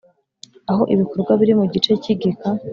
Aho ibikorwa biri mu gice cy igika